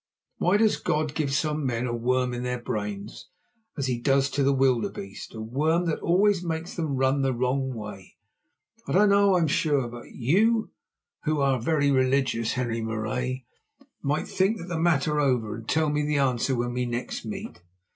Why does God give some men a worm in their brains, as He does to the wildebeeste, a worm that always makes them run the wrong way? I don't know, I am sure; but you who are very religious, Henri Marais, might think the matter over and tell me the answer when next we meet.